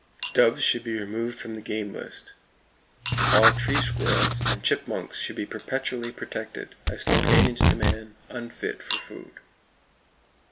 Doves should be removed from the game list. All tree squirrels and chipmunks should be perpetually protected, as companions to man, unfit for food.